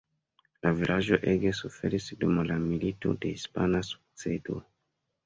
La vilaĝo ege suferis dum la Milito de hispana sukcedo.